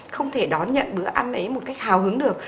không thể đón nhận bữa ăn ấy một cách hào hứng được